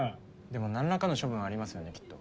でも何らかの処分はありますよねきっと。